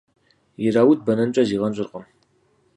Ирауд бэнэнкӏэ зигъэнщӏыркъым.